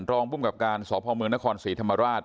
รองปุ่มกับการสพมนครสีธรรมราช